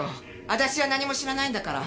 私は何も知らないんだから。